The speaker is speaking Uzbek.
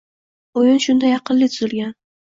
Oʻyin shunday aqlli tuzilgan